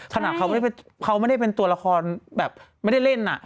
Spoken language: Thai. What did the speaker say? ขนาดเขาไม่ได้เป็นตัวละครแบบไม่ได้เล่น